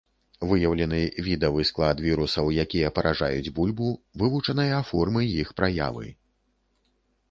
Выяўлены відавы склад вірусаў, якія паражаюць бульбу, вывучаныя формы іх праявы.